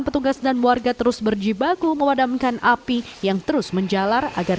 petugas dan warga terus berjibaku memadamkan api yang terus menjalar agar